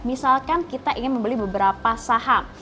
misalkan kita ingin membeli beberapa saham